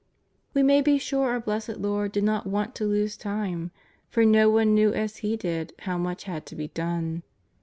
We may be sure our Blessed Lord did not want to lose time, for no one knew as He did how much had to be done.